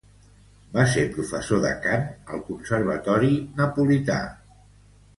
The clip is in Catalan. Va ser professor de cant al conservatori napolità.